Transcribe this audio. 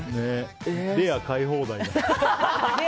レア買い放題。